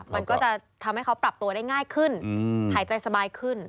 มันก็จะทำให้เขาปรับตัวได้ง่ายขึ้นหายใจสบายขึ้น